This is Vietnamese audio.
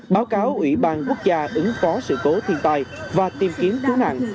báo cáo ủy ban quốc gia ứng phó sự cố thiên tai và tìm kiếm cứu nạn